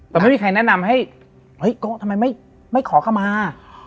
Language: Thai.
แต่ไม่มีใครแนะนำให้เฮ้ยโก๊ทำไมไม่ขอเข้ามา